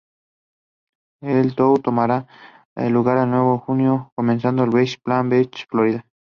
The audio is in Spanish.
El tour tomará lugar el primero de Julio comenzando en West Palm Beach, Florida.